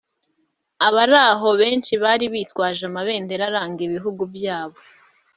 Abari aho benshi bari bitwaje amabendera aranga ibihugu byabo